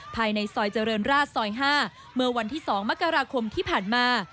ภายในซอยเจริญราชซอย๕เมื่อวันที่๒มกราคมที่ผ่านมา